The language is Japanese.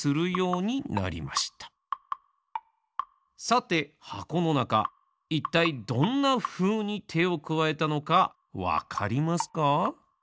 さてはこのなかいったいどんなふうにてをくわえたのかわかりますか？